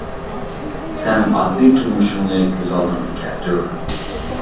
سەن ئاددىي تۇرمۇشۇڭنى كۆز ئالدىڭغا كەلتۈر!